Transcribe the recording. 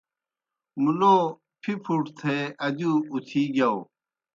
مُلو پِھیْ پُھوٹ تھے ادِیؤ اُتِھی گِیاؤ۔